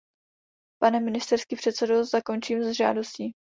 Pane ministerský předsedo, zakončím s žádostí.